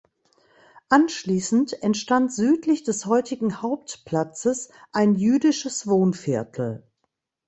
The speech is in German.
Anschließend entstand südlich des heutigen Hauptplatzes ein jüdisches Wohnviertel.